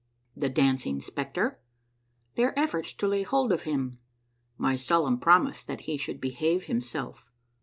— THE DANCING SPECTRE. — THEIR EFFORTS TO LAY HOLD OF HIM. — MY SOLEMN PROMISE THAT HE SHOULD BEHAVE HIM SELF.